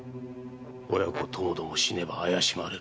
親子ともども死ねば怪しまれる。